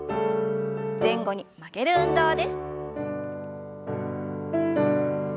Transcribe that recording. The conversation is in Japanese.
前後に曲げる運動です。